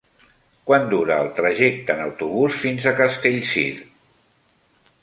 Quant dura el trajecte en autobús fins a Castellcir?